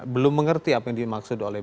belum mengerti apa yang dimaksud oleh